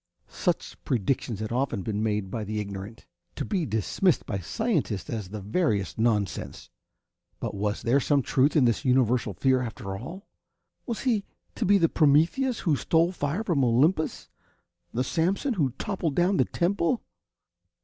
Such predictions had often been made by the ignorant, to be dismissed by scientists as the veriest nonsense. But was there some truth in the universal fear, after all? Was he to be the Prometheus who stole fire from Olympus, the Samson who toppled down the temple?